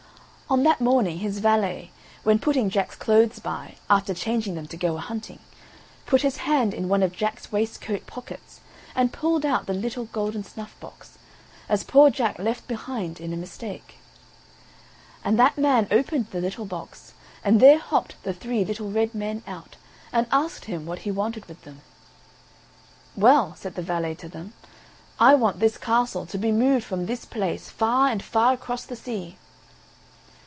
On that morning his valet, when putting Jack's clothes by, after changing them to go a hunting, put his hand in one of Jack's waistcoat pockets, and pulled out the little golden snuffbox, as poor Jack left behind in a mistake. And that man opened the little box, and there hopped the three little red men out, and asked him what he wanted with them. "Well," said the valet to them, "I want this castle to be moved from this place far and far across the sea."